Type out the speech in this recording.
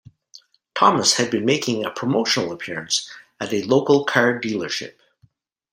Thomas had been making a promotional appearance at a local car dealership.